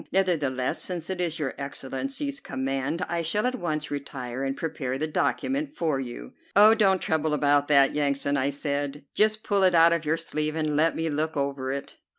Nevertheless, since it is your Excellency's command, I shall at once retire and prepare the document for you." "Oh, don't trouble about that, Yansan," I said, "just pull it out of your sleeve and let me look over it."